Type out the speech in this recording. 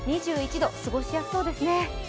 ２１度、過ごしやすそうですね。